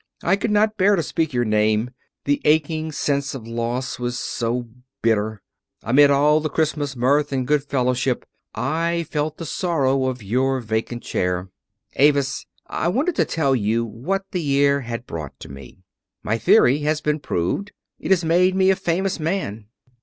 I could not bear to speak your name, the aching sense of loss was so bitter. Amid all the Christmas mirth and good fellowship I felt the sorrow of your vacant chair. Avis, I wanted to tell you what the year had brought to me. My theory has been proved; it has made me a famous man.